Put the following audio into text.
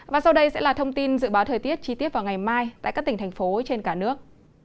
và sau đây sẽ là thông tin dự báo thời tiết chi tiết vào ngày mai tại các tỉnh thành phố trên cả nước